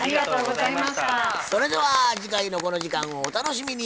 それでは次回のこの時間をお楽しみに。